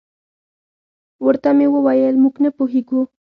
ورته مې وویل: موږ نه پوهېږو.